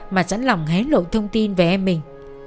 mà sẵn lòng hé lộ thông tin về em mình